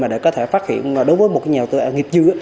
mà để có thể phát hiện đối với một nhà đầu tư nghiệp dư